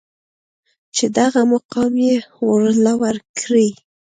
چې دغه مقام يې ورله ورکړې.